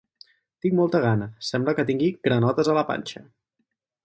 Tinc molta gana, sembla que tingui granotes a la panxa.